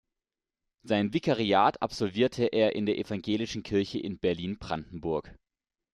Sein Vikariat absolvierte er in der Evangelischen Kirche in Berlin-Brandenburg.